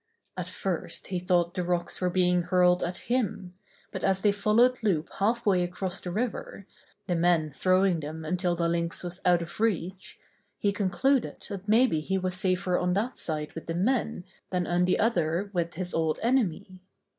At first he thought the rocks were being hurled at him, but as they followed Loup half way across the river, the men throwing them until the Lynx was out of reach, he concluded that maybe he was safer on that side with the men than on the other with his old enemy.